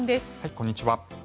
こんにちは。